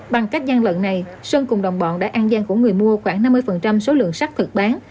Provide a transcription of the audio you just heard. bằng cách gian lận này sơn cùng đồng bọn đã ăn gian của người mua khoảng năm mươi số lượng sắt thực bán